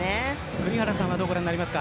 栗原さんはどうご覧になりますか？